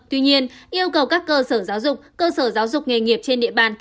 tuy nhiên yêu cầu các cơ sở giáo dục cơ sở giáo dục nghề nghiệp trên địa bàn